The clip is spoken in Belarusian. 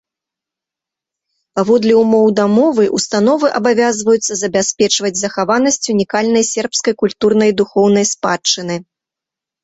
Паводле ўмоў дамовы ўстановы абавязваюцца забяспечваць захаванасць унікальнай сербскай культурнай і духоўнай спадчыны.